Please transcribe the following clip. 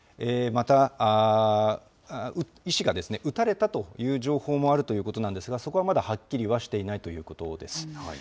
また、医師が撃たれたという情報もあるということなんですが、そこはまだはっきりはしていないということです。